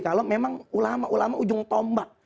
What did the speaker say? kalau memang ulama ulama ujung tombak